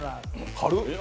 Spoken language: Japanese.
軽っ！